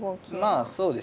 まあそうですね。